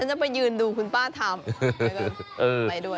ฉันจะไปยืนดูคุณป้าทำ